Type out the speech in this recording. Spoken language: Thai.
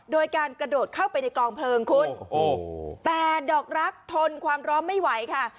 โดยการกระโดดเข้าไปในกองเพลิงคุณโอ้โหแต่ดอกรักทนความร้อนไม่ไหวค่ะ